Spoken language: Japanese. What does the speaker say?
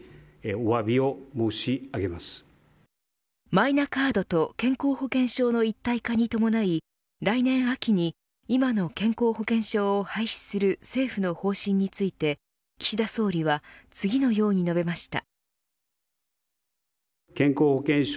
マイナカードと健康保険証の一体化に伴い来年秋に今の健康保険証を廃止する政府の方針について岸田総理は次のように述べました。